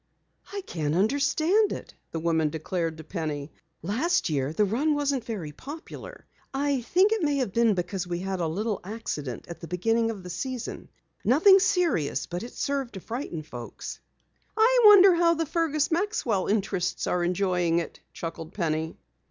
"I can't understand it," the woman declared to Penny. "Last year the run wasn't very popular. I think it may have been because we had a little accident at the beginning of the season. Nothing serious but it served to frighten folks." "I wonder how the Fergus Maxwell interests are enjoying it?" chuckled Penny.